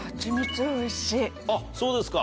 あっそうですか。